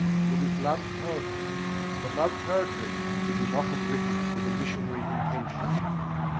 It is love poetry, but love poetry which is often written with a missionary intention.